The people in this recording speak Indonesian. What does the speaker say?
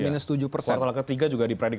minus tujuh persen kuartal ke tiga juga diprediksi